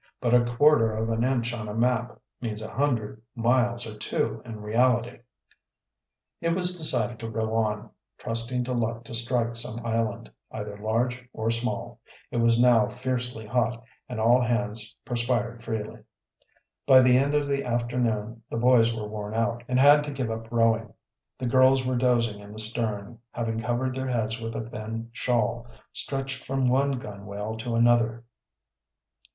"But a quarter of an inch on the map means a hundred miles or two in reality." Yet it was decided to row on, trusting to luck to strike some island, either large or small. It was now fiercely hot, and all hands perspired freely. By the end of the afternoon the boys were worn out, and had to give up rowing. The girls were dozing in the stern, having covered their heads with a thin shawl, stretched from one gunwale to another.